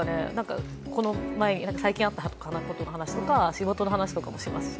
最近あった話とか、仕事の話とかもしますし